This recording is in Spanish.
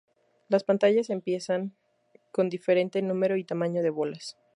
Las pantallas empiezan con diferente número y tamaño de bolas.